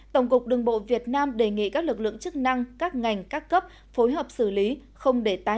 tổng cục đường bộ việt nam đề nghị các lực lượng chức năng các ngành các cấp phối hợp xử lý không để tái diễn tình trạng xe chở quá tải